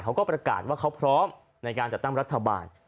เขาก็ประกาศว่าเขาพร้อมในการจัดตั้งรัฐบาล